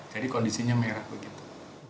jadi kondisinya merah begitu